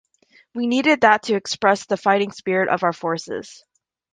We needed that to express the fighting spirit of our forces.